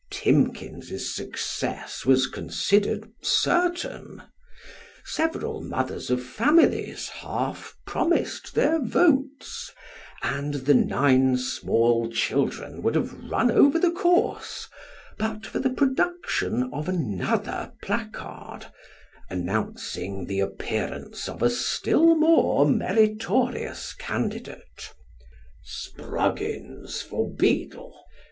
Timkins's success was considered certain : several mothers of families half promised their votes, and the nine small children would have run over the course, but for the production of another placard, announcing the appearance of a still more meritorious candidate. "Spruggins for Beadle.